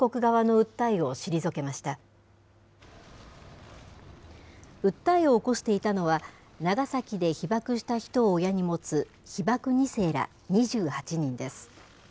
訴えを起こしていたのは、長崎で被爆した人を親に持つ被爆２世ら２８人です。